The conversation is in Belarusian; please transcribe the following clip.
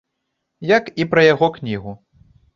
Як і пра яго кнігу.